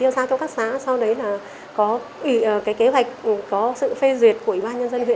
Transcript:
sau đấy là chúng tôi có xây dựng kế hoạch bồi dưỡng cho học sinh